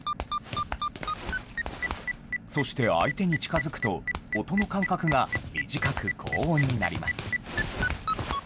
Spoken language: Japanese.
そして相手に近づくと、音の間隔が短く高音になります。